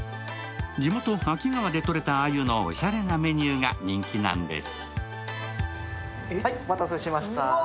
地元秋川でとれた鮎の、おしゃれなメニューが人気なんです。